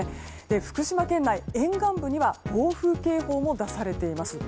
福島県内沿岸部には暴風警報も出されています。